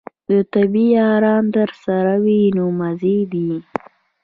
د طبې یاران درسره وي نو مزې دي.